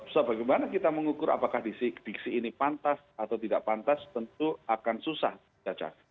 sebagaimana kita mengukur apakah diksi ini pantas atau tidak pantas tentu akan susah caca